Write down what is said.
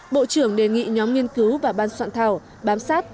bộ trưởng đề nghị nhóm nghiên cứu và ban soạn thảo bám sát